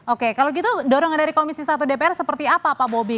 oke kalau gitu dorongan dari komisi satu dpr seperti apa pak bobi